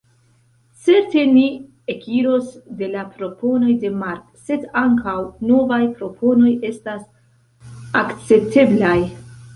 Certe ni ekiros de la proponoj de Mark, sed ankaŭ novaj proponoj estas akcepteblaj.